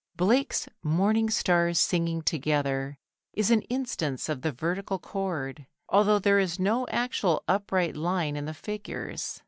Blake's "Morning Stars Singing Together" is an instance of the vertical chord, although there is no actual upright line in the figures.